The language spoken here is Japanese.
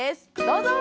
どうぞ！